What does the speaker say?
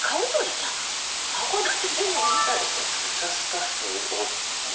函館でも見たでしょ。